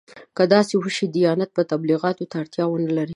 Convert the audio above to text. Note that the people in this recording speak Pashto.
که داسې وشي دیانت به تبلیغاتو ته اړتیا ونه لري.